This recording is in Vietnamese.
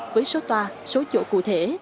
với số toa số chỗ cụ thể